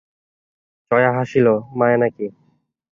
জয়া হাসিল, মায়া নাকি?